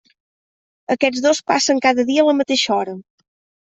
Aquests dos passen cada dia a la mateixa hora.